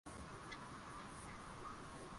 silaha ambazo zilikamatwa katika bandari ya lagos